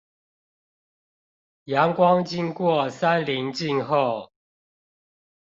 陽光經過三稜鏡後